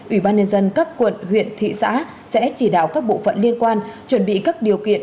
ủy ban nhân dân các quận huyện thị xã sẽ chỉ đạo các bộ phận liên quan chuẩn bị các điều kiện